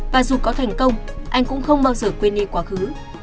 và dù có thành công anh cũng không bao giờ quên đi quá khứ